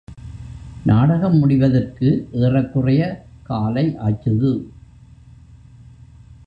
நாடகம் முடிவதற்கு ஏறக்குறைய காலை ஆச்சுது.